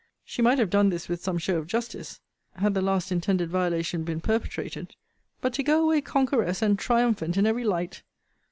She might have done this with some show of justice, had the last intended violation been perpetrated: but to go away conqueress and triumphant in every light!